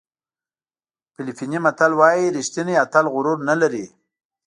فلپیني متل وایي ریښتینی اتل غرور نه لري.